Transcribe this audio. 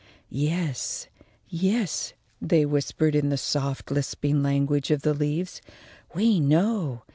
"Yes s, yes s," they whispered in the soft lisping language of the leaves, "we know!